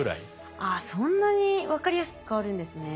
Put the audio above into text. あそんなに分かりやすく変わるんですね。